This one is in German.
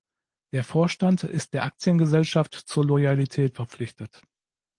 Der Vorstand ist der Aktiengesellschaft zur Loyalität verpflichtet.